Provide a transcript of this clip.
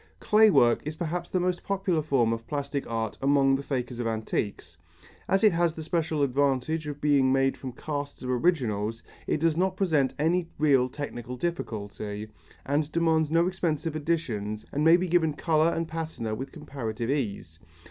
Clay work is perhaps the most popular form of plastic art among the fakers of antiques. As it has the special advantage of being made from casts of originals, it does not present any real technical difficulty, and it demands no expensive additions and may be given colour and patina with comparative ease.